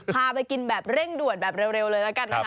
พาไปกินแบบเร่งด่วนแบบเร็วเลยนะครับ